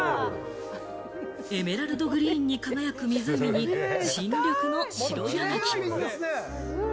エメラルドグリーンに輝く湖に、新緑のシロヤナギ。